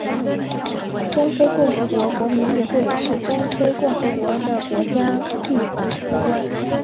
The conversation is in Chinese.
中非共和国国民议会是中非共和国的国家立法机关。